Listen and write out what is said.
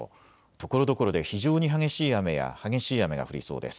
ところどころで非常に激しい雨や激しい雨が降りそうです。